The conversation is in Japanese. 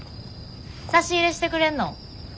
差し入れしてくれんの？